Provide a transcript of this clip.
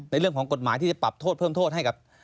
เรื่องของกฎหมายที่จะปรับโทษเพิ่มโทษให้กับ